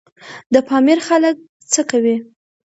د پامیر خلک څه کوي؟